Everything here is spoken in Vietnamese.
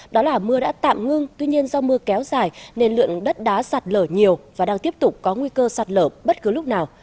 đó là mưa đã tạm ngưng tuy nhiên do mưa kéo dài nên lượng đất đá sạt lở nhiều và đang tiếp tục có nguy cơ sạt lở bất cứ lúc nào